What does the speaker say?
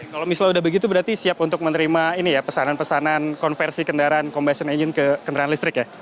kalau misalnya udah begitu berarti siap untuk menerima ini ya pesanan pesanan konversi kendaraan combustion agent ke kendaraan listrik ya